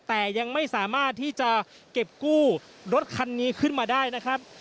แต่ยังไม่สามารถที่จะเก็บกู้รถคันนี้ขึ้นมาได้นะครับ